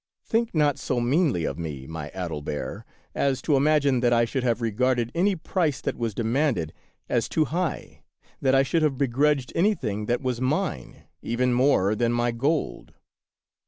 Think not so meanly of me, my Adelbert, as to imagine that I should have regarded any price that was demanded as too high; that I should have begrudged any thing that was mine even more than my gold.